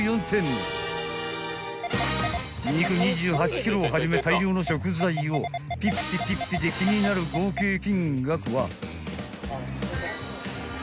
［肉２８ｋｇをはじめ大量の食材をピッピピッピで気になる合計金額は？］